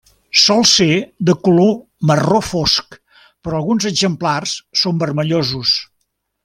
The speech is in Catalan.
Sol ser de color marró fosc, però alguns exemplars són vermellosos.